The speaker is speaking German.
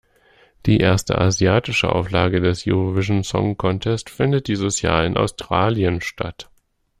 Die erste asiatische Auflage des Eurovision Song Contest findet dieses Jahr in Australien statt.